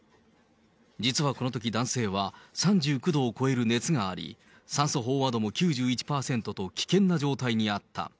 実はこのとき男性は３９度を超える熱があり、酸素飽和度も９１％と、危険な状態にあった。